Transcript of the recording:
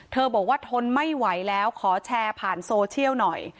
บอกว่าทนไม่ไหวแล้วขอแชร์ผ่านโซเชียลหน่อย